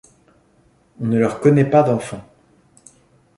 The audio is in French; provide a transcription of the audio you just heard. On ne leur connait pas d'enfant.